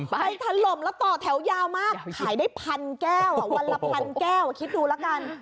ถล่มแล้วต่อแถวยาวมากขายได้พันแก้ววันละพันแก้วคิดดูละกัน